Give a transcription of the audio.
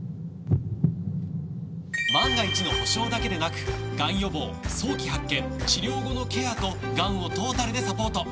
万が一の保障だけでなくがん予防早期発見治療後のケアとがんをトータルでサポート！